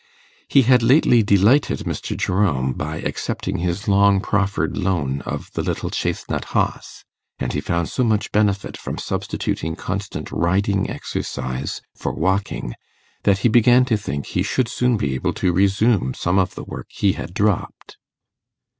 He had lately delighted Mr. Jerome by accepting his long proffered loan of the 'little chacenut hoss;' and he found so much benefit from substituting constant riding exercise for walking, that he began to think he should soon be able to resume some of the work he had dropped.